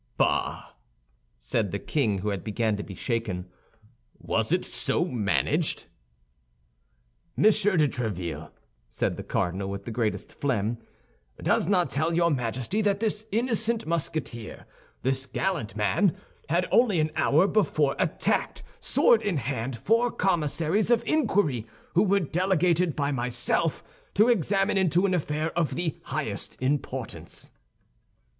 "Bah!" said the king, who began to be shaken, "was it so managed?" "Monsieur de Tréville," said the cardinal, with the greatest phlegm, "does not tell your Majesty that this innocent Musketeer, this gallant man, had only an hour before attacked, sword in hand, four commissaries of inquiry, who were delegated by myself to examine into an affair of the highest importance."